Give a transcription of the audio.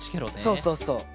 そうそうそう。